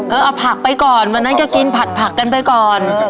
เอาผักไปก่อนวันนั้นก็กินผัดผักกันไปก่อน